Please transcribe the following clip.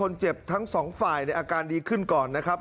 ต้องรอให้คนเจ็บทั้งสองฝ่ายในอาการดีขึ้นก่อนนะครับ